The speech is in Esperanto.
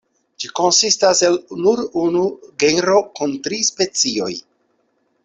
Ĝi konsistas el nur unu genro kun tri specioj.